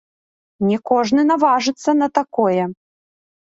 Не кожны наважыцца на такое.